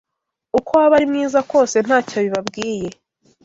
uko waba ari mwiza kose ntacyo bibabwiye